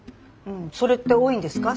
それって多いんですか？